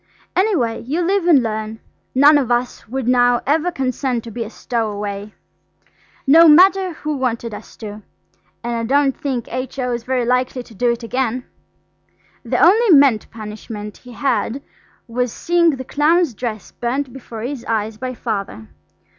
Any way, you live and learn. None of us would now ever consent to be a stowaway, no matter who wanted us to, and I don't think H.O.'s very likely to do it again. The only meant punishment he had was seeing the clown's dress burnt before his eyes by Father.